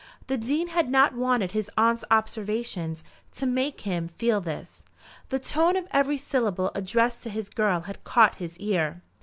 The Dean had not wanted his aunt's observation to make him feel this. The tone of every syllable addressed to his girl had caught his ear.